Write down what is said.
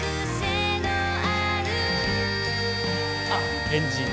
あっエンジン。